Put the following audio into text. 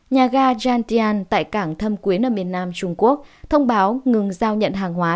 nhà ga jantian tại cảng thâm quyến ở miền nam trung quốc thông báo ngừng giao nhận hàng hóa